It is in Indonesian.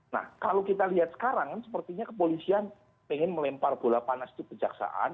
nah kalau kita lihat sekarang sepertinya kepolisian ingin melempar bola panas itu kejaksaan